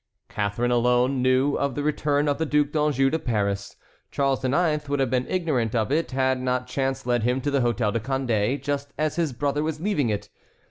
Catharine alone knew of the return of the Duc d'Anjou to Paris. Charles IX. would have been ignorant of it had not chance led him to the Hôtel de Condé just as his brother was leaving it.